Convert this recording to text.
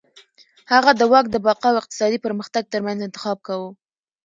هغه د واک د بقا او اقتصادي پرمختګ ترمنځ انتخاب کاوه.